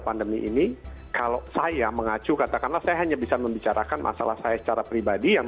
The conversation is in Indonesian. pandemi ini kalau saya mengacu katakanlah saya hanya bisa membicarakan masalah saya secara pribadi yang